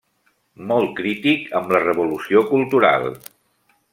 Molt crític amb la Revolució Cultural.